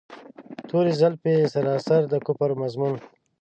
توري زلفې سراسر د کفر مضمون.